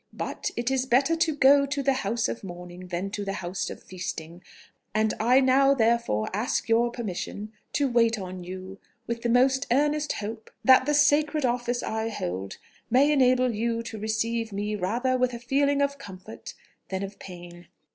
But 'it is better to go to the house of mourning than to the house of feasting,' and I now therefore ask your permission to wait on you, with the most earnest hope that the sacred office I hold may enable you to receive me rather with a feeling of comfort than of pain.